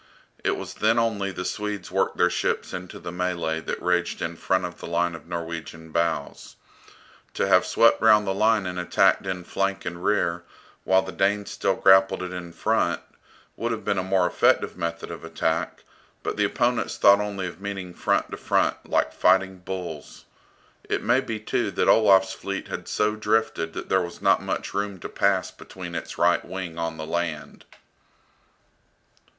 It was then only the Swedes worked their ships into the mêlée that raged in front of the line of Norwegian bows. To have swept round the line and attacked in flank and rear, while the Danes still grappled it in front, would have been a more effective method of attack, but the opponents thought only of meeting front to front like fighting bulls. It may be too that Olaf's fleet had so drifted that there was not much room to pass between its right wing on the land.